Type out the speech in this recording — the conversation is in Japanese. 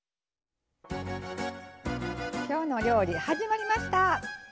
「きょうの料理」始まりました！